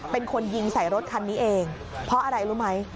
เป็นคนยิงใส่รถคันนี้เองเพราะอะไรรู้ไหม